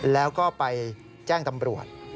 แล้วก็ไปแจ้งตำรวจ